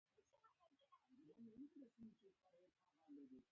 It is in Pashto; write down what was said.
له لومړیو اسانتیاوو بې برخې دي.